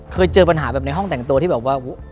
เคยเจอปัญหาแบบในห้องแต่งตัวที่แบบว่า